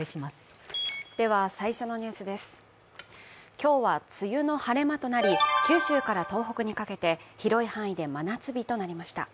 今日は梅雨の晴れ間となり、九州から東北にかけて広い範囲で真夏日となりました。